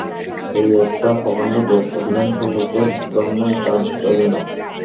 এ একটা প্রকাণ্ড দেশ, অধিকাংশ লোকই ধর্মের ধার ধারে না।